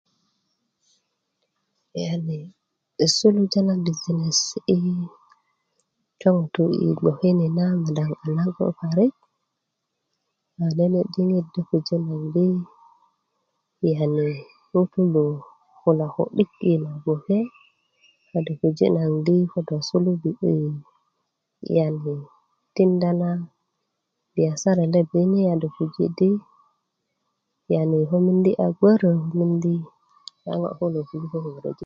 yani suluja na bijinesi ko ŋutu' yi gboke ni na madaŋ a nago parik yani nene diŋit do pujö naŋ di yani ŋo ŋutu' kulo ku'dik yi na gboke s do puji nan di ko suluki tinda na biyasara let ni yani pujö di ŋo kulo a gbörö ko miindi gbögbörö